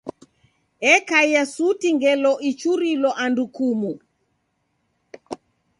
Ekaia suti ngelo ichurilo andu kumu.